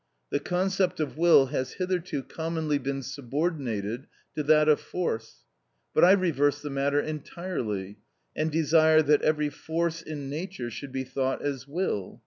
The concept of will has hitherto commonly been subordinated to that of force, but I reverse the matter entirely, and desire that every force in nature should be thought as will.